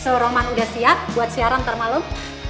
so roman udah siap buat siaran ntar malem